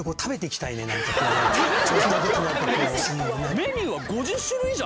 メニューは５０種類以上あるからね！